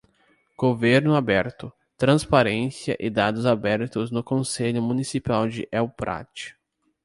Governo aberto, transparência e dados abertos no Conselho Municipal de El Prat.